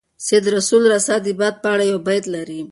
سید رسول رسا د باد په اړه یو بیت لري.